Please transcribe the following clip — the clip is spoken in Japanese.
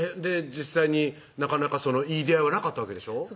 実際になかなかいい出会いはなかったわけでしょ？